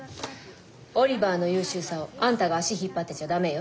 オリバーの優秀さをあんたが足引っ張ってちゃダメよ。